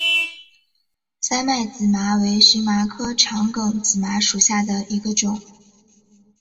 三脉紫麻为荨麻科长梗紫麻属下的一个种。